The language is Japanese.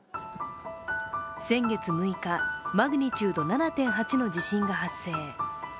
先月６日、マグニチュード７．８の地震が発生。